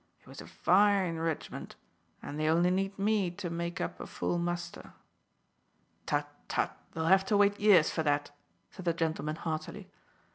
It was a fine ridgment, and they only need me to make up a full muster." "Tut, tut! they'll have to wait years for that," said the gentleman heartily.